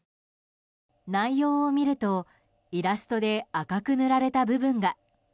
内容を見るとイラストで赤く塗られた部分が。